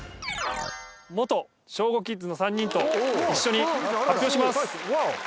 小５キッズの３人と一緒に発表します！